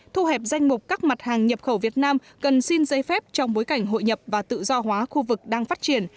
thu hẹp danh mục các mặt hàng nhập khẩu việt nam cần xin giấy phép trong bối cảnh hội nhập và tự do hóa khu vực đang phát triển